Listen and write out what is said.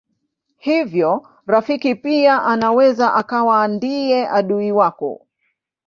Hivyo rafiki pia anaweza akawa ndiye adui wako.